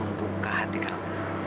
lebih membuka hati kamu